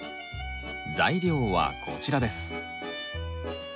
材料はこちらです。